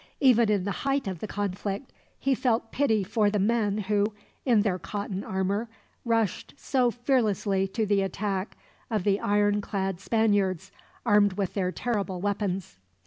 Even in the height of the conflict he felt pity for the men who, in their cotton armor, rushed so fearlessly to the attack of the iron clad Spaniards, armed with their terrible weapons.